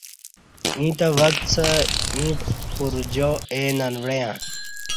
ییں تہ وکڅہ ییں پرجا اے ننوعݩہ